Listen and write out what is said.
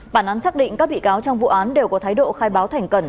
bản án xác định các bị cáo trong vụ án đều có thái độ khai báo thành cẩn